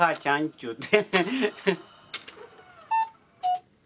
ちゅうて。